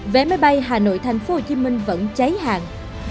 vé máy bay hà nội tp hcm vẫn cháy hàng